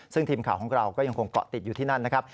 ซึ่งทีมข่าวของเราก็ยังคงเกาะติดอยู่ที่นั่นนะครับ